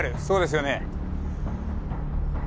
そうですよね？